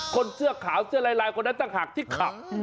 คนเสื้อขาวเสื้อลายคนนั้นต่างหากที่ขับ